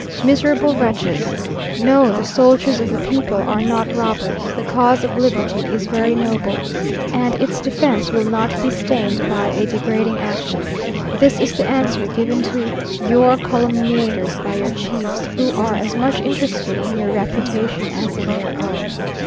Miserable wretches! No, the soldiers of the people are not robbers; the cause of liberty is very noble, and its defence will not be stained by a degrading action. This is the answer given to your calumniators by your chiefs, who are as much interested in your reputation as in their own.